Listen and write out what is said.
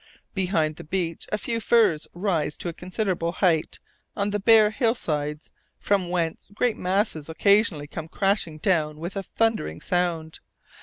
Behind the beach a few firs rise to a considerable height on the bare hill sides, from whence great masses occasionally come crashing down with a thundering sound.